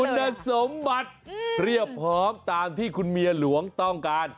คุณสมบัติเรียบพร้อมตามที่คุณเมียหลวงต้องการ